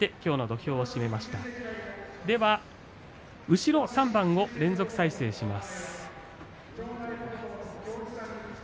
後ろ３番を連続再生します。